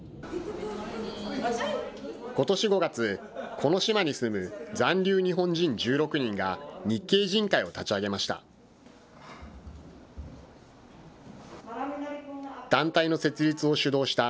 ことし５月、この島に住む残留日本人１６人が、日系人会を立ち上げました。